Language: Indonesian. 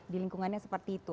di lingkungannya seperti itu